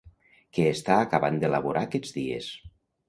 Que està acabant d’elaborar aquests dies.